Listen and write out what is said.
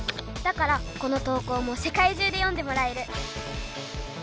だからこの投こうも世界中で読んでもらえる。